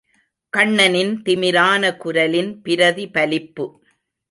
கண்ணனின் திமிரான குரலின் பிரிதி பலிப்பு.